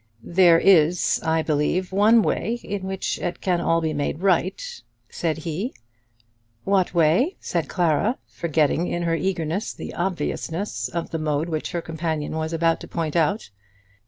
"There is, I believe, one way in which it can all be made right," said he. "What way?" said Clara, forgetting in her eagerness the obviousness of the mode which her companion was about to point out.